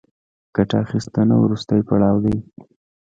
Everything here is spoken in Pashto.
ګټه اخیستنه وروستی پړاو دی